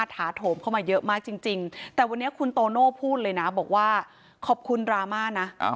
ถาโถมเข้ามาเยอะมากจริงแต่วันนี้คุณโตโน่พูดเลยนะบอกว่าขอบคุณดราม่านะ